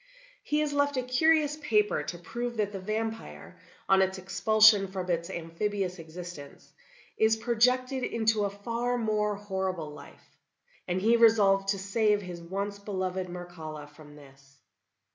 He has left a curious paper to prove that the vampire, on its expulsion from its amphibious existence, is projected into a far more horrible life; and he resolved to save his once beloved Mircalla from this.